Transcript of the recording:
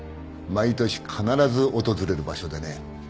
毎年必ず訪れる場所でね。